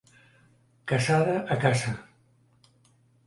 Casada, a casa.